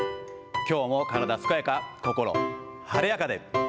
きょうも体健やか、心晴れやかで。